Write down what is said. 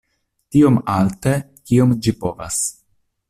Tiom alte, kiom ĝi povas.